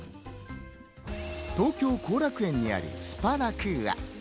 東京・後楽園にある、スパラクーア。